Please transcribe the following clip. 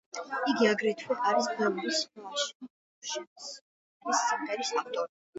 იგი აგრეთვე არის ბევრი სხვა შემსრულებლის სიმღერის ავტორი.